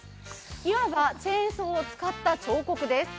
いわばチェーンソーを使った彫刻です。